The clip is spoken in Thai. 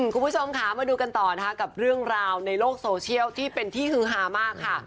คุณผู้ชมค่ะมาดูกันต่อนะคะกับเรื่องราวในโลกโซเชียลที่เป็นที่ฮือฮามากค่ะ